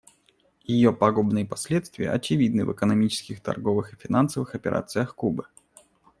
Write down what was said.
Ее пагубные последствия очевидны в экономических, торговых и финансовых операциях Кубы.